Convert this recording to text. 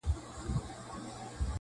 د تيارو اجاره دار محتسب راغى-